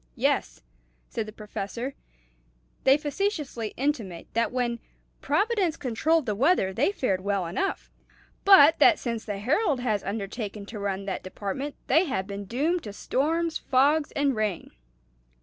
"Yes," said the Professor; "they facetiously intimate that when Providence controlled the weather they fared well enough; but that since the Herald has undertaken to run that department they have been doomed to storms, fogs, and rain.